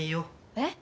えっ？